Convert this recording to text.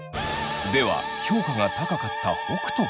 では評価が高かった北斗。